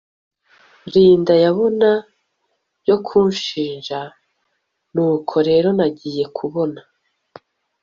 Linda yabona byo kunshinja nuko rero nagiye kubona